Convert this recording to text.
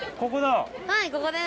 はいここです。